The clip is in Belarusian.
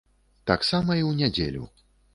Таксама і ў нядзелю.